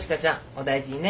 お大事にね。